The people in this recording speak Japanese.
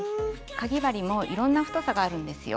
かぎ針もいろんな太さがあるんですよ。